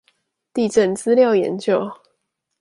地政資料研究